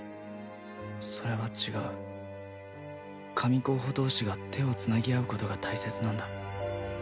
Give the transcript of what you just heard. それは違う神候補同士が手をつなぎ合うことが大切なんだ